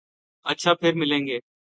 اچھا پھر ملیں گے۔